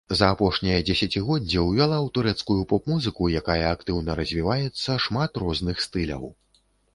За апошняе дзесяцігоддзе ўвяла ў турэцкую поп-музыку, якая актыўна развіваецца, шмат розных стыляў.